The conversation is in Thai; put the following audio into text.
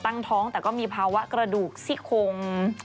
ตั้งท้องแต่ก็มีภาวะกระดูกซี่โคง